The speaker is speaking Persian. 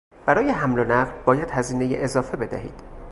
برای حمل و نقل باید هزینهی اضافه بدهید.